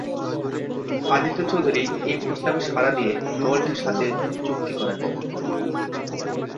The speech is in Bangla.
আদিত্য চৌধুরী এই প্রস্তাবে সাড়া দিয়ে, দলটির সাথে চুক্তি করেন।